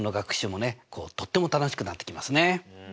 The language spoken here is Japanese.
とっても楽しくなってきますね。